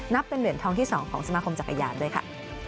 เป็นเหรียญทองที่๒ของสมาคมจักรยานด้วยค่ะ